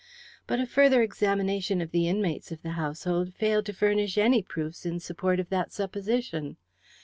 But a further examination of the inmates of the household failed to furnish any proofs in support of that supposition.